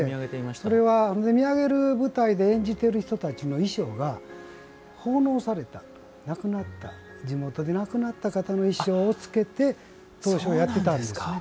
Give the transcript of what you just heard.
それは見上げる舞台で演じている人たちの衣装が奉納された地元で亡くなった方の衣装をつけて当初、やっていたんですね。